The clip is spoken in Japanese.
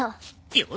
よし。